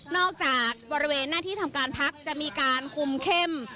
จากบริเวณหน้าที่ทำการพักจะมีการคุมเข้ม